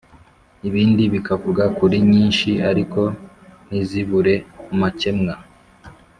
ibindi bikavuga kuri nyinshi ariko ntizibure amakemwa